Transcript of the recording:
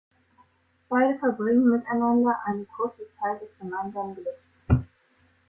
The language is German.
Beide verbringen miteinander eine kurze Zeit des gemeinsamen Glücks.